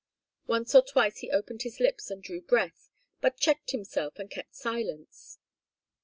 Once or twice he opened his lips and drew breath, but checked himself and kept silence.